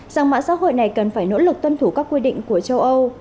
rằng mạng xã hội này cần phải nỗ lực tuân thủ các quy định của châu âu